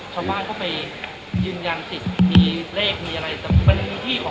ชาวบ้านก็ไปยืนยั่งศิษย์มีเลขมีอะไร